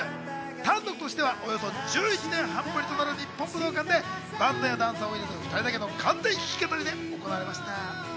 単独としてはおよそ１１年半ぶりとなる日本武道館でバンドやダンサーを入れず、２人だけの完全弾き語りで行われました。